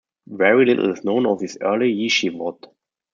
Very little is known of these early "yeshivot".